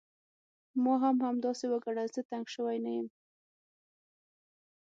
ما هم همداسې وګڼه، زه تنګ شوی نه یم.